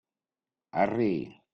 Arri!